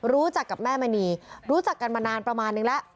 รู้จักกับแม่มณีรู้จักกันมานานประมาณนึงแล้ว